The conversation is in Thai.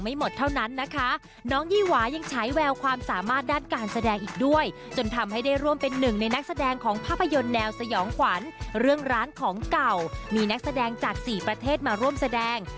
เพิ่มถึงหนีประเทศมาร่วมแสดง